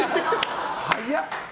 早っ！